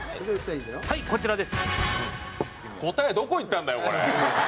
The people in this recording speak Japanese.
はいこちらです。